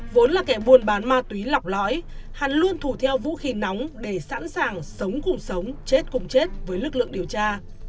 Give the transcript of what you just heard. vốn là kẻ buôn bán ma túy lọc lõi hắn luôn thù theo vũ khí nóng để sẵn sàng sống cùng sống chết cùng chết với lực lượng điều tra